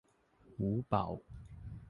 หูเบา